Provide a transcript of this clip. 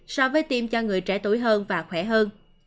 so với tiêm cho người trẻ tuổi hơn và khỏe hơn